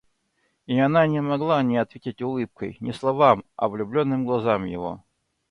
И она не могла не ответить улыбкой — не словам, а влюбленным глазам его.